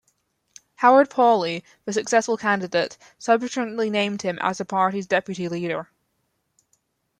Howard Pawley, the successful candidate, subsequently named him as the party's deputy leader.